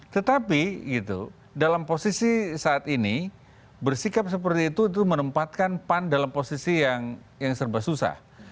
tetapi gitu dalam posisi saat ini bersikap seperti itu itu menempatkan pan dalam posisi yang serba susah